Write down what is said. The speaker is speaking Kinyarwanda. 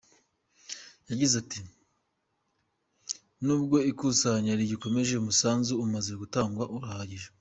Yagize ati ”Nubwo ikusanya rigikomeza, umusanzu umaze gutangwa urahagije“.